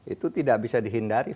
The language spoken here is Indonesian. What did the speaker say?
itu tidak bisa dihindari